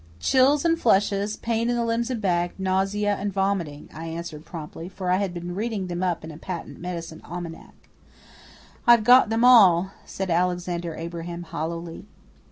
"Chills and flushes, pain in the limbs and back, nausea and vomiting," I answered promptly, for I had been reading them up in a patent medicine almanac. "I've got them all," said Alexander Abraham hollowly.